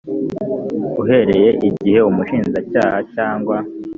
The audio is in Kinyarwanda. uhereye igihe umushinjacyaha cyangwa